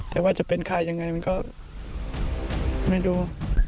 แต่ว่าจะเป็นค่ายังไงมันก็ไม่รู้